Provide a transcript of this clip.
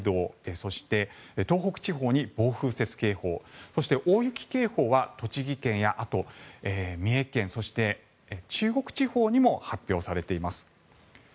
そして東北地方に暴風雪警報そして大雪警報は栃木県や三重県、中国地方にも発表されています。